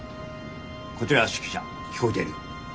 こちら指揮車聞こえてる。